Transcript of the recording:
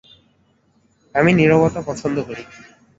আমি নীরবতা পছন্দ করি।